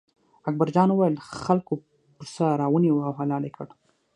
اکبر جان وویل: خلکو پسه را ونیوه او حلال یې کړ.